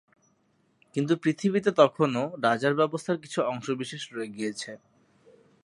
কিন্তু পৃথিবীতে তখনও বাজার ব্যবস্থার কিছু অংশবিশেষ রয়ে গিয়েছে।